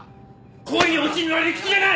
恋に落ちるのは理屈じゃない！